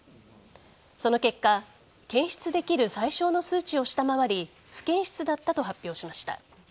その結果検出できる最小の数値を下回り不検出だったと発表しました。